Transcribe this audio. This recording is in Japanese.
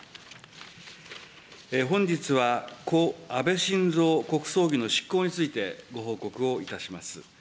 本日は、故・安倍晋三国葬儀の執行についてご報告をいたします。